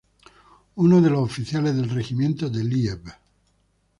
Uno de los oficiales del regimiento de Lieb.